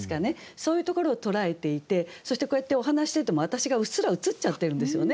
そういうところを捉えていてそしてこうやってお話ししてても私がうっすら映っちゃってるんですよね。